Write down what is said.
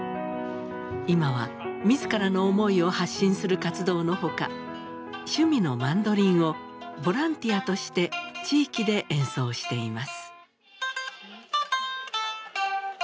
今は自らの思いを発信する活動のほか趣味のマンドリンをボランティアとして地域で演奏しています。